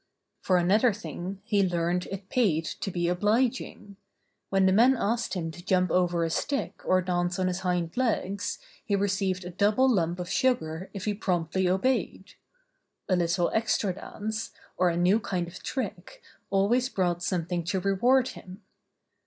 For another thing he learned it paid to be 39 40 Buster the Bear obliging. When the men asked him to jump over a stick or dance on his hind legs, he re ceived a double lump of sugar if he promptly obeyed. A little extra dance, or a new kind of trick, always brought something to reward him.